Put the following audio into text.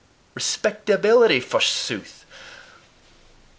Respectability, forsooth!